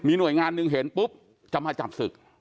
หน่วยงานหนึ่งเห็นปุ๊บจะมาจับศึก